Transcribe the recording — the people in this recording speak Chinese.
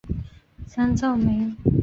山噪鹛。